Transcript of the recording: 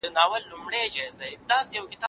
ته باید خپلو ایمیلونو ته ځواب ورکړې.